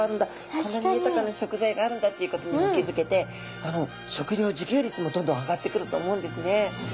こんなに豊かな食材があるんだっていうことにも気付けて食料自給率もどんどん上がってくると思うんですね。